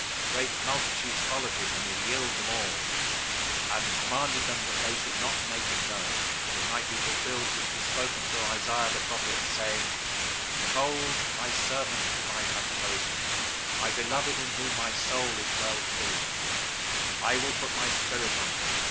Great multitudes followed him; and he healed them all, 012:016 and charged them that they should not make him known: 012:017 that it might be fulfilled which was spoken through Isaiah the prophet, saying, 012:018 "Behold, my servant whom I have chosen; my beloved in whom my soul is well pleased: I will put my Spirit on him.